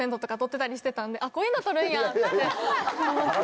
こういうの撮るんやって思って。